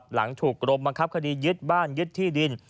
หลังถูกกรมบังคับคดียึดบ้านยึดที่ดิน